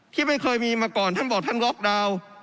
ที่ไม่เคยมีมาก่อนท่านบอกท่านล็อกดาวน์